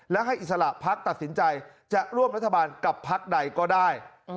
และให้อิสระพักตัดสินใจจะร่วมรัฐบาลกับพักใดก็ได้